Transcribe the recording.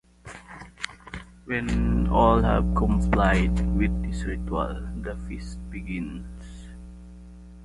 When all have complied with this ritual, the feast begins.